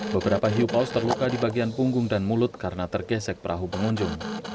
beberapa hiu paus terluka di bagian punggung dan mulut karena tergesek perahu pengunjung